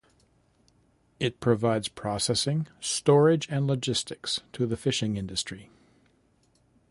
It provides processing, storage, and logistics to the fishing industry.